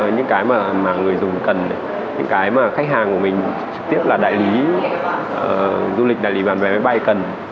những cái mà người dùng cần những cái mà khách hàng của mình trực tiếp là đại lý du lịch đại lý bán vé máy bay cần